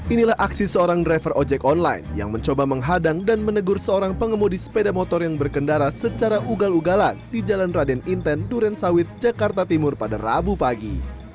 inilah aksi seorang driver ojek online yang mencoba menghadang dan menegur seorang pengemudi sepeda motor yang berkendara secara ugal ugalan di jalan raden inten durensawit jakarta timur pada rabu pagi